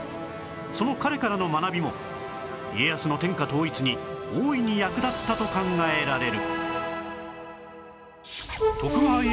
その彼からの学びも家康の天下統一に大いに役立ったと考えられる